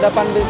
jangan gitu atu